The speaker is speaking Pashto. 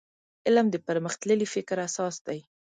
علم د پرمختللي فکر اساس دی.